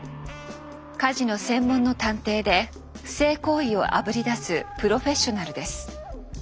カジノ専門の探偵で不正行為をあぶり出すプロフェッショナルです。